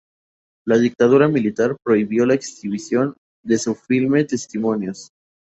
La dictadura militar prohibió la exhibición de su filme Testimonios.